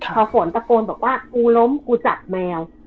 พอฝนตะโกนบอกว่ากูล้มกูจัดแมว